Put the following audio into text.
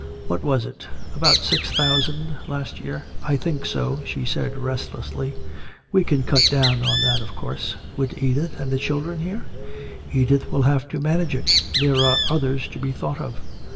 "What was it about six thousand last year?" "I think so," she said restlessly. "We can cut down on that, of course " "With Edith and the children here?" "Edith will have to manage it! There are others to be thought of!"